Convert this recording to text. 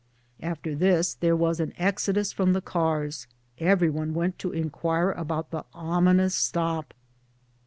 After this there was an exodus from the cars; every one went to inquire as to the ominous stop.